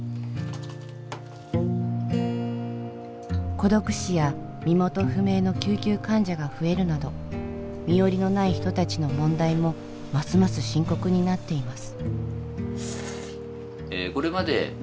孤独死や身元不明の救急患者が増えるなど身寄りのない人たちの問題もますます深刻になっています。